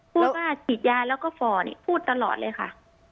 พูดว่าฉีดยาแล้วก็ฝ่อนี่พูดตลอดเลยค่ะ